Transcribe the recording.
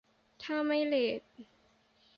ถ้าไม่เลท